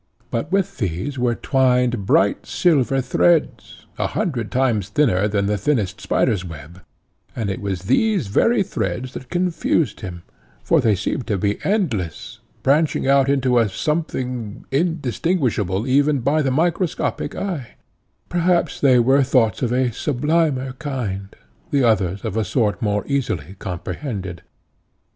But with these were twined bright silver threads, a hundred times thinner than the thinnest spider's web, and it was these very threads that confused him, for they seemed to be endless, branching out into a something, indistinguishable even by the microscopic eye; perhaps they were thoughts of a sublimer kind, the others of a sort more easily comprehended.